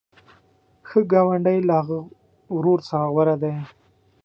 ښه ګاونډی له هغه ورور غوره دی.